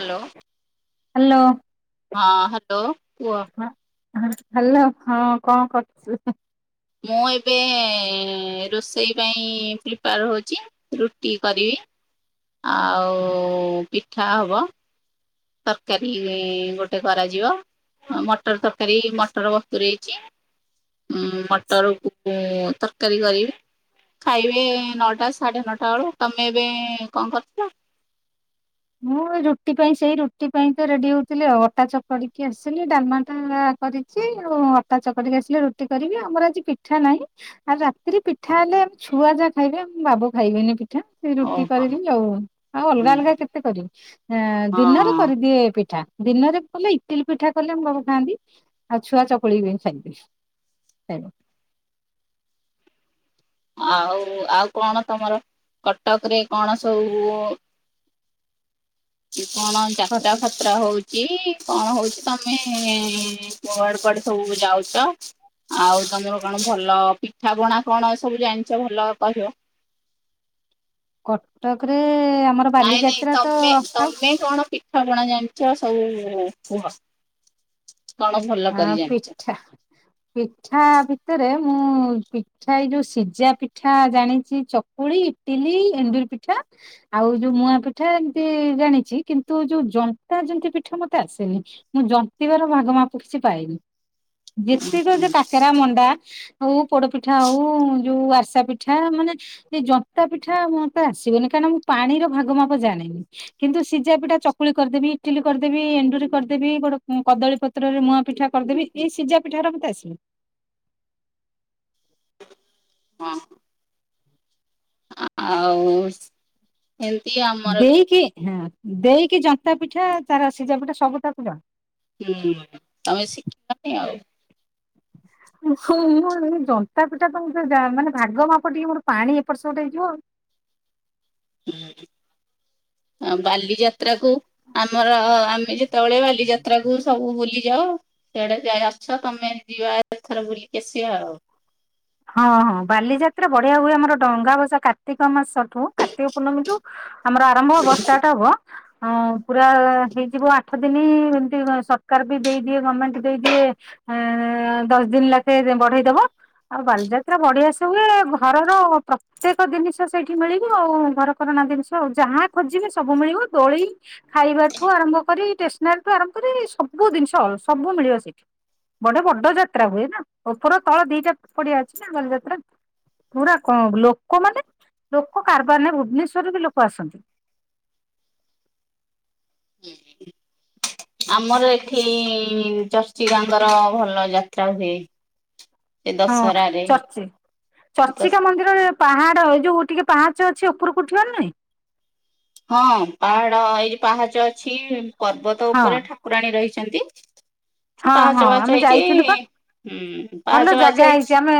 Hello. Hello hello କୁହ। ହଁ। Hello ହଁ କଣ କରଚୁ ଉଁ? ମୁଁ ଏବେ ରୋଷେଇ ପାଇଁ ପ୍ରିପାୟାର ହଉଚି। ରୁଟି କରିବି ଆଉ ପିଠା ହବ। ତରକାରୀ ଗୋଟେ କରାଯିବ। ଅଁ ମଟର ତରକାରୀ ମଟର ବତୁରେଇଚି। ଉଁ ମଟରକୁ ତରକାରୀ କରିବି। ଖାଇବେ ନଅଟା ସାଢ଼େ ନଅଟା ବେଳୁ ତମେ ଏବେ କଣ କରୁଚ? ମୁଁ ଏ ରୁଟି ପାଇଁ ସେଇ ରୁଟି ପାଇଁ ତ ରେଡି ହଉଥିଲି ଆଉ ଅଟା ଚପଡ଼ିକି ଆସିଲି ଡାଲମା ଟା କରିି କି ଅଟା ଚକଟିକି ଆସିଲେ ରୁଟି କରିବି ଆମର ଆଜି ପିଠା ନାହିଁ। ଆଉ ରାତିରେ ପିଠା ହେଲେ ଆ ଛୁଆ ଯାହା ଖାଇବେ ଆମ ବାବୁ ଖାଇବେନି ପିଠା। ସେ ରୁଟି ଓହୋ କରିବି ଆଉ ଆଉ ଅଲଗା ଅଲଗା କେତେ କରିବି ହଁ ଦିନରେ କରିଦିଏ ପିଠା। ଦିନରେ କଲେ ଇଟିଲି ପିଠା କଲେଆମ୍ ବାବୁ ଖାଆନ୍ତି ଆଉ ଛୁଆ ଚକୁଳିି ଖାଇବେ। ଖାଇବ। ଆଉ ଆଉ କଣ ତମର କଟକ ରେ କଣ ସବୁ କଣ ଯାତ୍ରା ଫାତ୍ରା ହଉ ଚି କଣ ହଉଛି ତମେ କୁଆଡେ କୁଆଡେ ସବୁ ଯାଉଚ? ଆଉ ତମର କଣ ଭଲ ପିଠା ପଣା କଣ ଏ ସବୁ ଜାଣିଛ ଭଲ କହିବ? କଟକ ରେ ଆମର ନାଇଁ ନାଇଁ ବାଲିଯାତ୍ରା ତ ତମେ ଆଉ ତମେ କଣ ପିଠା ପଣା ଜାଣିଛ ସବୁ କୁହ। କଣ ଭଲ ଆଉ କରି ଜାଣିଛ? ପିଠା ପିଠା ଭିତରେ ମୁଁ ପିଠା ଏଇ ଯୋଉ ସିଜା ପିଠା ଜାଣିଛି ଚକୁଳି ଇଟିଲି ଏଣ୍ଡୁରି ପିଠା। ଆଉ ଯୋଉ ମୁଆଁ ପିଠା ଏମିତି ଜାଣିଛି କିନ୍ତୁ ଯୋଉ ଜନ୍ତା ଜନ୍ତି ପିଠା ମତେ ଆସେନି। ମୁଁ ଜନ୍ତିବାର ଭାଗ ମାପ କିଛି ପାଇନି ଯେତିକ ଯେ କାକେରା ମଣ୍ଡା ହଉ ପୋଡପିଠା ହଉ। ଯୋଉ ଆସା ପିଠା ମାନେ ଏଇ ଜନ୍ତା ପିଠା ମତେ ଆସିବନି କାହିଁକନା ମୁଁ ପାଣିର ଭାଗ ମାପ ଜାଣି ନି। କିନ୍ତୁ ସିଝା ପିଟା ଚକୁଳି କରିଦେବି ଇଟିଲି କରିଦେବି ଏଣ୍ଡୁରି କରିଦେବି ଗୋଟେ କଦଳୀ ପ ପତ୍ରରେ ମୁଆଁ ପିଠା କରିଦେବି ଏଇ ଶିଯା ପିଠାରା ମତେ ଆସିବନି। ହଁ। ଆଉ ଏମତି ଆଉ। ଦେଇକି ହଁ ଦେଇକି ଜନ୍ତା ପିଠା ତାର ସିଝା ପିଠା ସବୁ ତାକୁ ଜଣା। ହୁଁ ତମେ ଶିଖିଲନି ଆଉ। ମୁଁ ଏଇ ଜନ୍ତା ପିଠା ପାଇଁ ମାନେ ଭାଗ ମାପ ଟିକେ ମୋର ପାଣି ଏପଟ ସେପଟ ହେଇଯିବ। ହୁଁ, ଆ ବାଲିଯା ଯାତ୍ରାକୁ ଆମର ଆମେ ଯେତେବେଳେ ବାଲି ଯାତ୍ରାକୁୁ ସବୁ ବୁଲିଯାଉ ସେଆଡେ ଯାଇ ଆଛ ତମେ ଯିବା ଏଥର ବୁଲିକି ଆସିବା ଆଉ। ହଁ ହଁ ବାଲିଯାତ୍ରା ବଢିଆ ହୁଏ ଆମର ଡଙ୍ଗା ଭସା କାର୍ତ୍ତିକ ମାସ ଠୁ କାର୍ତିକ ପୂର୍ଣ୍ଣମୀଠୁ ଆମର ଆରମ୍ଭ ହବ ଷ୍ଟାର୍ଟ ହବ। ହଁ ପୁରା ହେଇଯିବ ଆଠ ଦିନ ଏମତି ସରକାର ବି ଦେଇଦିଏ ଗମେଣ୍ଟ ଦେଇଦିଏ ଆଁ ଦଶ ଦିନ ଲଖେ ବଢେଇ ଦବ। ଆଉ ବାଲିଯାତ୍ରା ବଢିଆସେ ହୁଏ ଘରର ପ୍ରତ୍ୟେକ ଜିନିଷ ସେଇଠି ମିଳିବି ଆଉ ଘରକରଣା ଜିନିଷ ଆଉ ଯାହା ଖୋଜିବେ ସବୁ ମିଳିବ ଦୋଳି ଖାଇବାଠୁ ଆରମ୍ଭ କରି ଷ୍ଟେସନାରୀ ଠୁ ଆରମ୍ଭ କରି ସବୁ ଜିନିଷ ସବୁ ମିଳିବ ସେଠି। ବଡେ ବଡ ଯାତ୍ରା ହୁଏ ନା ଉପର ତଳ ଦିଟା ପଡିଆ ଅଛି ନା ବାଲି ଯାତ୍ରା। ପୁରା କଁ ଲୋକ ମାନେ ଲୋକ କାରବାର ନାଇ ଭୁବନେଶ୍ଵ ରରୁ ବି ଲୋକ ଆସନ୍ତି। [inaudible] ଆମର ଏଠି ଚର୍ଚିକା ଙ୍କର ଭଲ ଯାତ୍ରା ହୁଏ। ସେ ହଁ ଦଶହରାରେ ଚର୍ଚି ଚର୍ଚି ଦଶ କା ମନ୍ଦିର ହେପଟେ ପାହାଡ ଏଇ ଯୋଉ ଟିକେ ପାହାଚ ଅଛି ଉପରକୁ ଉଠିବାନା ନାହିଁ। ହଁ ପାହାଡ ଏଇ ପାହାଚ ଅଛି ପର୍ବତ ହଁ ଉପରେ ଠାକୁରାଣୀ ରହିଛନ୍ତି। ସେ ହଁ ହଁ ପାହାଚ ଆମେ ପାହାଚ ହେଇଛି ଯାଇଥିଲୁ ପା ହୁଁ ଭଲ ପାହାଚ ପାହାଚ ଜାଗା ହେଇଚି। ହେଇଛି ଆମେ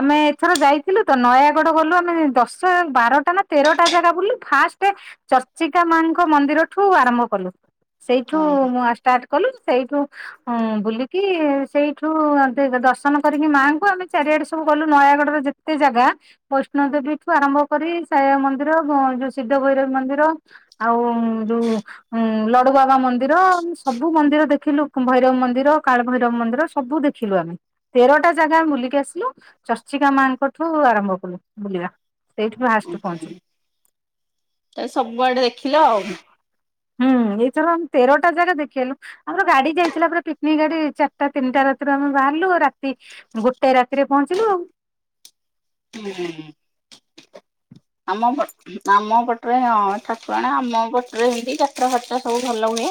ଆମେ ଏଥର ଯାଇଥିଲୁ ତ ନୟାଗଡ ଗଲୁ ଆମେ ଦଶ ବାରଟା ନା ତେରଟା ଜାଗା ବୁଲୁ ଫାଷ୍ଟ ଚର୍ଚିକା ମାଙ୍କ ମନ୍ଦିରଠୁ ଆରମ୍ଭ କଲୁ ସେଇଠୁଁ ମୁଁ ଆ ଷ୍ଟାର୍ଟ କଲୁ। ଏଇଠୁ ହୁଁ ବୁଲିକି ସେଇଠୁ ଦେଖେ ଦର୍ଶନ କରିକି ମାଆଙ୍କୁ ଆମେ ଚାରିଆଡେ ସବୁ ଗଲୁ ନୟାଗଡର ଯେତ ତେ ଜାଗା ଵୈଷ୍ଟୋଂ ଦେବୀ ଠୁ ଆରମ୍ଭ କରି ସାଇବାବା ମନ୍ଦିର ଯୋଉ ସିଦ୍ଧ ଭୈରବି ମନ୍ଦିର ଆଉ ଯୋଉ ଲଡୁବାବା ମନ୍ଦିର ସବୁ ମନ୍ଦିର ଦେଖ ଦେଖିଲୁ ଭୈରବ ମନ୍ଦିର କାଳଭୈରବ ମନ୍ଦିର ସବୁ ଦେଖିଲୁ ଆମେ। ତେରଟା ଜାଗା ଆମେ ବୁଲିକି ଆସିଲୁ ଚର୍ଚିକା ମାଙ୍କଠୁ ଆରମ୍ଭ କଲୁ ବୁଲିବା। ସେଇଠି ଫାଷ୍ଟ ପହଞ୍ଚିଲୁ ତା ସବୁଆଡେ ଦେଖିଲ ଆଉ। ହୁଁ ଏଇଥର ଆମେ ତେରଟା ଜାଗା ଦେଖିଆଇଲୁ। ଆମର ଗାଡିଟା ହେଇଥିଲା ପୁରା ପିକ୍ନିକ ଗଡି ଚାରଟା ତିନିଟା ରାତିରୁ ଆମେ ବାହାରିଲୁ ରାତି ଗୋଟାଏ ରାତିରେ ପହଞ୍ଚିଲୁ ଆଉ। ହୁଁ ହୁଁଁ। ଆମ ପଟ ଆମ ପଟରେ ହଁ ଠାକୁରାଣୀ ଆମ ପଟରେ ହେମତି ଯାତ୍ରା ଫାତ୍ରା ସବୁ ଭଲ ହୁଏ।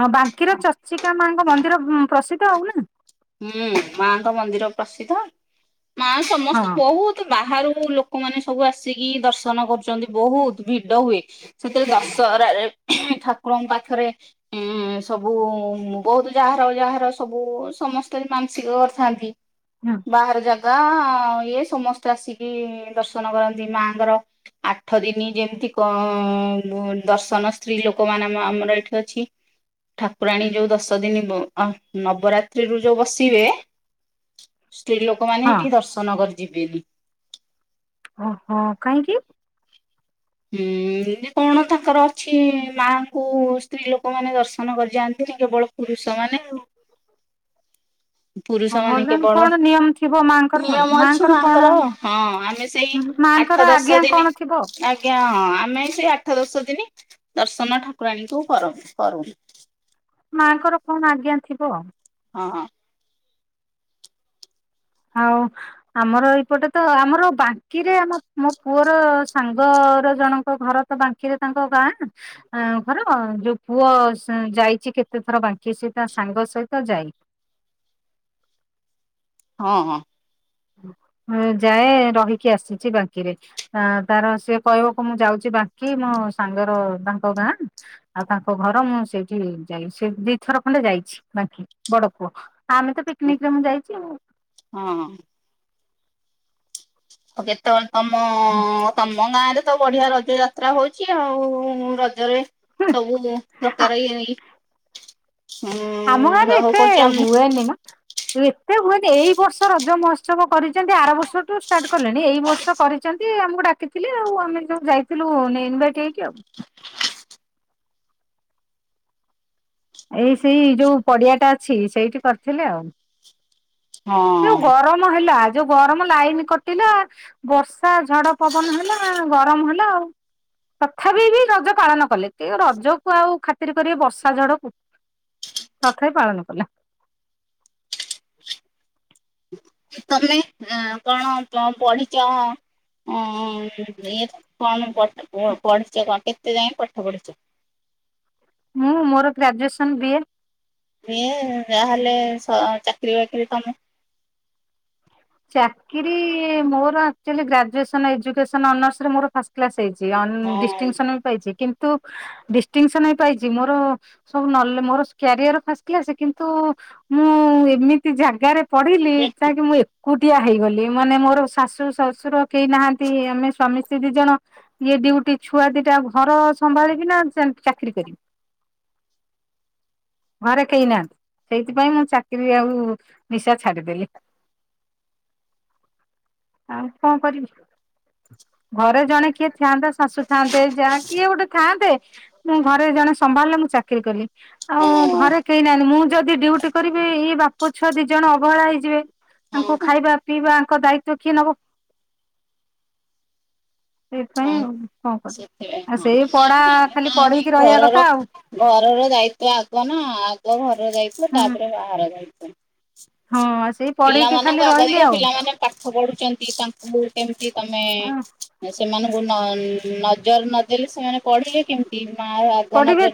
ହଁ ବାଙ୍କିର ଚର୍ଚିକା ମାଙ୍କ ମନ୍ଦିର ପ୍ରସିଦ୍ଧ ଆଉ ନା? ହୁଁ ମାଙ୍କ ମନ୍ଦିର ପ୍ରସିଦ୍ଧ ମା ସମସ୍ତେ ହଁ ବହୁତ ଏତେ ବାହାରୁ ଲୋକମାନେନ ସବୁ ଆସିକି ଦର୍ଶନ କରୁଛନ୍ତି ବହୁତ ଭିଡ ହୁଏ। ସେଥିରେ ଦଶହରାରେ ଠାକୁରଙ୍କ ପାଖରେ ହୁଁ ସବୁ ବହୁତ ଯାହାର ଯାହାର ସବୁ ସମସ୍ ମାନସିକ କରିଥାନ୍ତି ହୁଁ ବାହାର ଜାଗା ଇଏ ସମସ୍ ତ ଆସିକି ଦର୍ଶନ କରନ୍ତି ମାଆଙ୍କର। ଆଠ ଦିନି ଯେମିତି କ ଦର୍ଶନ ସ୍ତ୍ରୀ ଲୋକ ମାନେ ଆମର ଏଠି ଅଛି। ଠାକୁରାଣୀ ଯୋଉ ଦଶ ଦିନି ନନବରାତ୍ରିରୁ ଯୋଉ ବସିବେ ସ୍ତ୍ରୀ ଲୋକମାନେ ହଁ ହେଠିକି ଦର୍ଶନ କରି ଯିବେନି। ଓହୋ କାହିଁକି? ହୁଁ ଜେ କଣ ତାଙ୍କର ଅଛି ମାଙ୍କୁ ସ୍ତ୍ରୀ ଲୋକମାନେ ଦର୍ଶନ କରି ଯାଆନ୍ତିନି କେବଳ ପୁରୁଷ ମାନେ ପୁରୁଷ ମାନେ ଭଲ କେବଳ କଣ ନିୟମ ଥିବ ମାଆଙ୍କର ଆଉ ନିୟମ ଅଛି ମାଆଙ୍କର କଣ ମାଙ୍କର ହଁ ଆମେ ସେଇ ମାଆଙ୍କର ଆଠ ଦଶ ଆଜ୍ଞା କଣ ଦିନି ଆ ଥିବ ଆଜ୍ଞା ହଁ ଆମେ ସେଇ ଆଠ ଦଶ ଦିନି ଦର୍ଶନ ଠାକୁରାଣୀଙ୍କୁ କର କରୁନୁ। ମାଙ୍କର କଣ ଆଜ୍ଞା ଥିବ। ହଁ। ହଉ। ଆମର ଏଇପଟେ ତ ଆମର ବାକିରେ ଆମ ମୋ ପୁଅର ସାଙ୍ଗର ଜଣଙ୍କ ଘର ତ ବାଙ୍କିରେ ତାଙ୍କ ଗାଁ ନା। ଆଁ ଘର ଯୋଉ ପୁଅ ଯାଇଛି କେତେ ଥର ବାଙ୍କି ସେ ତା ସହିତ ସାଙ୍ଗ ସହିତ ଯାଇ। ହଁ ହଁ। ହୁଁ ଯାଏ ରହିକି ଆସିଛି ବାଙ୍କିରେ। ତାର ସିଏ କହିବ କୁ ମୁଁ ଯାଉଛି ବାକି ମୋ ସାଙ୍ଗର ତାଙ୍କ ଗାଁ। ଆଉ ତାଙ୍କ ଘର ମୁଁ ସେଇଠି ଯାଇ ସେ ଦିଥର ଖଣ୍ଡେ ଯାଇଛି ବାଙ୍କି ବଡ ପୁଅ। ଆମେ ତ ପିକନିକ ରେ ମୁଁ ଯାଇଛି ଆଉ। ହଁ। ଆଉ କେତେବେଳେ ତମ ତ ତମ ଗାଁ ରେ ତ ବଢିଆ ରଜ ଯାତ୍ରା ହଉଛି ଆଉ ରଜରେ ସବୁ ପ୍ରକାର ଇ ଏଇ ଆମ ଗାଁରେ ଏତେ କହୁଛି ଆମ ହୁଏନି ମ। ଏତେ ହୁଏନି ଏଇ ବର୍ଷ ରଜ ମହୋତ୍ସବ କରିଛନ୍ତି ଆର ବର୍ଷଠୁ ଷ୍ଟାର୍ଟ କଲେଣି ଏଇ ବର୍ଷ କରିଛନ୍ତି ଆମକୁ ଡାକିଥିଲି ଆଉ ଆମେ ଯୋଉ ଯାଇଥିଲୁ ନେ ଇନଭାଇଟ୍ ହେଇକି ଆଉ। ଏଇ ସେଇ ଯୋଉ ପଡିଆଟା ଅଛି ସେଇଠି କରିଥିଲେ ଆଉ ଯୋଉ ହଁ ଗରମ। ମ ହେଲା ଯୋଉ ଗରମ ଲାଇନି କଟିଲା ବର୍ଷା ଝଡ ପବନ ହେଲା ଗରମ ହେଲା ଆଉ। ତଥାପି ବି ରଜ ପାଳନ କଲେ କି ରଜକୁ ଆଉ ଖାତିର କରିବେ ବର୍ଷା ଝଡକୁ। ତଥାବି ପାଳନ କଲେ। ତମେ ଅ କଣ ପ ପଢିଚ? ଅଁ ଇଏ କଣ ପଢିଛ କ ପଢିଚ କଣ କେତେ ଯାଏ ପାଠ ପଢିଛ? ମୁଁ ମୋର ଗ୍ରାଜୁଏସନ୍ ବି ଏ। ବିଏ ଯାହେଲେ ସ ଚାକିରୀ ବାକିରି କାମ ଚାକିରୀ ମୋର ଆକ୍ଚୁଲି ଗ୍ରାଜୁଏସନ୍ ଏଜୁକେସନ୍ ଅନର୍ସ ରେ ମୋର ଫାସ କ୍ଲାସ ହେଇଛି ଅନ ହଁ ଡିଷ୍ଟିଙ୍ଗ ସନ ବି ପାଇଛି କିନ୍ତୁ ଡିଷ୍ଟିଙ୍ଗ ସନ ବି ପାଇଛି ମୋର ସବୁ ନହେଲେ ମୋର ସ କ୍ୟାରିୟର ଫାସ କ୍ଲାସେ କିନ୍ତୁ ମୁଁ ଏମିତି ଜାଗାରେ ପଢିଲି ଯାହାକି ମୁଁ ଏ କୁଟିଆ ହେଇଗଲି ମାନେ ମୋର ଶାଶୁ ଶଶୁର କେହି ନାହାଁନ୍ତି ଆମେ ସ୍ୱାମୀ ସ୍ତ୍ରୀ ଦି ଜଣ ଇଏ ଡିଉଟି ଛୁଆ ଦିଟା ଘର ସମ୍ଭାଳିବି ନା ସେ ଚାକିରୀ କରିବି? ଘରେ କେହି ନାହାଁନ୍ତି ସେଇଥିପାଇଁ ମୁଁ ଚାକିରି ଆଉ ନିଶା ଛାଡିଦେଲି। ଆଉ କଣ କରିବି। ଘରେ ଜଣେ କିଏ ଥ୍ୟାଆନ୍ତା ଶାଶୁ ଥାଆନ୍ତେ ଯା କିଏ ଗୋଟେ ଥାଆନ୍ତେ ମୋ ଘରେ ଜଣେ ସମ୍ଭାଳିଲେ ମୁଁ ଚାକିରି କଲି। ଆଉ ହଁ ଘରେ କେହି ନାହାଁନ୍ତି ମୁଁ ଯଦି ଡିଉଟି କରିବି ଇଏ ବାପ ଛୁଆ ଦି ଜଣ ଅବହେଳା ହେଇଯିବେ। ହଁ ତାଙ୍କୁ ହଁ ଖାଇବା ପିଇବା ୟାଙ୍କ ଦାୟିତ୍ଵ କିଏ ନବ? ସେଇଥିପାଇଁ ହଁ ଆଉ କଣ କରିବି ସେଥିପାଇଁ ଆଉ ସେଇ ହଁ ପଢା ଖାଲି ନାଇଁ ନାଇଁ ପଢିକି ରହିବା ଘରର କଥା ଆଉ। ଘରର ଦାୟିତ୍ଵ ଆଗ ନା ଆଗ ଘରର ଦାୟିତ୍ଵ ହୁଁ ତାପରେ ବାହାର ହଁ ସେଇ ଦାୟିତ୍ବ। ପଢେଇକି ଖାଲି ପିଲାମାନଙ୍କୁ ଆଗ ରହିଲେ ଦେଖିବା ଆଉ ପିଲାମାନେ ପାଠ ପଢୁଛନ୍ତି ତାଙ୍କୁ କେମିତି ତମେ ସେମାନଙ୍କୁ ନ ନଜର ନଦେଲେ ସେମାନେ ପଢ଼ିବେ କେମିତି ମା ଆ ପଢିବେ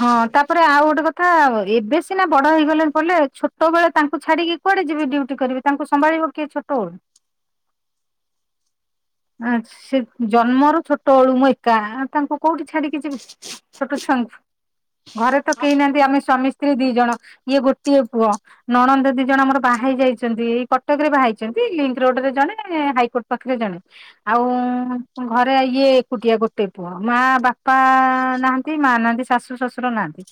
ହଁ ତାପରେ ଆଉ ଗୋଟେ କଥା ଏବେ ସିନା ବଡ ହେଇଗଲେଣି ପଲେ ଛୋଟ ବେଳେ ତାଙ୍କୁ ଛାଡିକି କୁଆଡେ ଯିବି ଡ୍ୟୁଟି କରିବେ ତାଙ୍କୁ ସମ୍ଭାଳିବ କିଏ ଛୋଟଳୁ? ଆ ସେ ଜନ୍ମରୁ ଛୋଟ ବଳୁ ମୁଁ ଏକା ଆ ତାଙ୍କୁ କୋଉଠି ଛାଡିକି ଯିବି ଛୋଟ ଛୁଆଙ୍କୁ ଘରେ ତ କେହି ନାହାଁନ୍ତି ଆମେ ସ୍ୱାମୀ ସ୍ତ୍ରୀ ଦି ଜଣ ଇଏ ଗୋଟିଏ ପୁଅ। ନଣନ୍ଦ ଦି ଜଣ ଆମର ବାହାଇ ଯାଇଛନ୍ତି ଏଇ କଟକ ରେ ବାହାଇଛନ୍ତି ଲିଙ୍କ ରୋଡ ରେ ଜଣେ ହାଇକୋର୍ଟ ପାଖରେ ଜଣେ। ଆଉ ଘରେ ଇଏ ଏକୁଟିଆ ଗୋଟେ ପୁଅ। ମା ବାପା ନାହାଁନ୍ତି ମା ନାହାଁନ୍ତି ଶାଶୁ ଶ୍ୱଶୁର ନାହାଁନ୍ତି।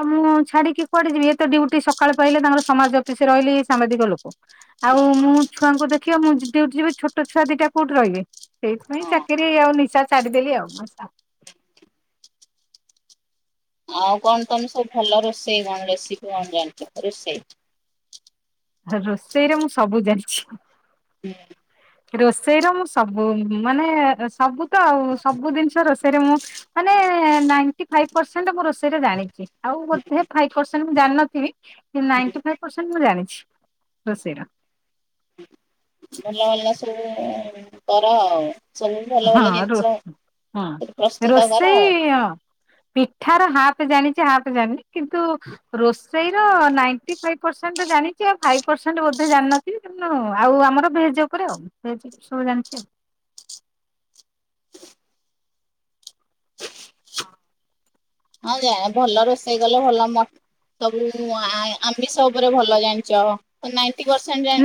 ଆଉ ମୁଁ ଛାଡିକି କୁଆଡେ ଯିବି ଏତ ତ ଡ୍ୟୁଟି ସକାଳେ ପାହିଲେ ତାଙ୍କର ସମାଜ ଅଫିସରେ ରହିଲେ ଇଏ ସାମ୍ବାଦିକ ଲୋକ। ଆଉ ମୁଁ ଛୁଆଙ୍କୁ ଦେଖିବ ମୁଁଉଠି ଯିବି ଛୋଟ ଛୁଆ ଦିଟା କୋଉଠି ରହିବେ? ସେଇଥିପାଇଁ ହଁ। ଚାକିରି ଆଉ ନିଶା ଛାଡ଼ିଦେଲି ଆଉ। ଆଉ କଣ ତମେ ସବୁ ଭଲ ରୋଷେଇ କଣ ରେସିପି କଣ ଜାଣିଛ ରୋଷେଇ? ରୋଷେଇରେ ମୁଁ ସବୁ ଜାଣିଛି। ହୁଁ। ରୋଷେଇ ର ମୁଁ ସବୁ ମାନେ ସବୁ ତ ଆଉ ସବୁ ଜିନିଷ ରୋଷେଇ ମୁ ମାନେ ନାଇଟି ଫାଇବ ପରସେଣ୍ଟ ମୁଁ ରୋଷେଇରେ ଜାଣିଛି ଆଉ ବୋଧେ ଫାଇବ ପରସେଣ୍ଟ ମୁଁ ଜାଣିନଥିବି କି ନାଇଟି ଫାଇବପରସେଣ୍ଟ ମୁଁ ଜାଣିଛି ରୋଷେଇର। ଭଲା ଭଲଲସବୁ କର ଆଉ। ଚଲ ଭଲା ହଁ ଭଲ ଯଛ ରୋ ହଁ ସେ ପ୍ରସ୍ତୁତ ଆ ଘଉ ରୋଷେଇ ହଁ ପିଠାର ହାପ ଜାଣିଛି ହାଫ ଜାଣିନି କିନ୍ତୁ ରୋଷେଇ ର ନାଇଟି ଫାଇବ ପରସେଣ୍ଟ ଜାଣିଛି ଆଉ ଫାଇବ ପରସେଣ୍ଟ ବୋଧେ ଜାଣିିନି ତ ଆଉ ଆମର ଭେଜ୍ ଉପରେ ଆଉ ଭେଜ ସବୁ ଜାଣିଛି ଆଉ। ହଁ ଯା ଭଲ ରୋଷେଇ କଲେ ଭଲ ମ ସବୁ ଆମି ସବୁରେ ଭଲ ଜାଣିଛ ନାଇଣ୍ଟି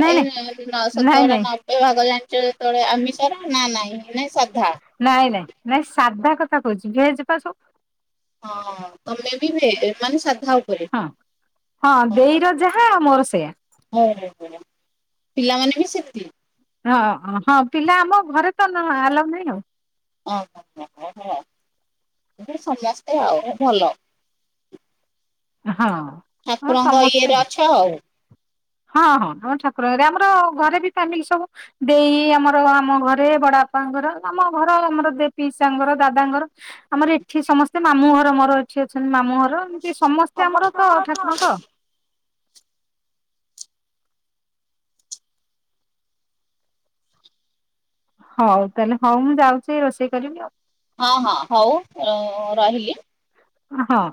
ନାଇଁ ନାଇଁ ନାଇଁ ନାଇଁ ସତଟା ନଅ ଭଗଞ୍ଚ ତୋଳେ ଆମି କର ନା ନାହି ନ ସଧା ନାଇଁ ନାଇଁ ନାଇଁ ସାଧା କଥା କହୁଛି ଭେଜ ବା ସବୁ। ହଁ ତମେ ବି ମାନେ ସାଧା ଉପରେ। ହଁ ହଁ ଓହୋ ଦେଇର ଯାହା ମୋର ସେୟା। ହଉ ପିଲାମାନେ ବି ସେମିତି? ହଁ ହଁ ପିଲା ଆମ ଘରେ ତ ଆଲ ନାହିଁ ଆଉ। ଓୁ ସମସ୍ତେ ଆଉ ଭଲ। ହଁ ଆମର ଠାକୁରଙ୍କ ସମସ୍ତେ। ଇଏରେ ଅଛ ଆଉ ହଁ ହଁ ଆମ ଠାକୁରରେ ଆମର ଘରେ ବି ଫ୍ୟାମିଲି ସବୁ ଦେଇ ଆମର ଆମ ଘରେ ବଡ ବାପାଙ୍କର ଆମ ଘର ଆମର ପିଇସାଙ୍କର ଦାଦାଙ୍କର ଆମର ଏଠି ସମସ୍ତେ ମାମୁଁ ଘର ମୋର ଏଠି ଅଛନ୍ତି ମାମୁଁ ଘର ଏମିତି ସମସ୍ତେ ଆମର ତ ଠାକୁରଙ୍କ। ହଉ ତାହେଲେ ହଉ ମୁଁ ଯାଉଛି ରୋଷେଇ କରିବି ଆଉ। ହଁ ହଁ ହଉ ରହିଲି। ହଁ